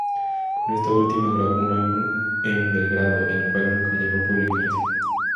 Con esta última, grabó un álbum en Belgrado el cual nunca llegó a publicarse.